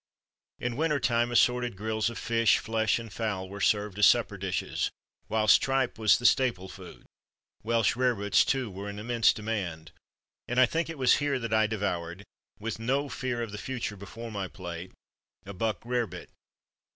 In winter time, assorted grills, of fish, flesh, and fowl, were served as supper dishes; whilst tripe was the staple food. Welsh rarebits, too, were in immense demand. And I think it was here that I devoured, with no fear of the future before my plate, a Buck Rarebit.